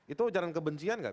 itu ujaran kebencian nggak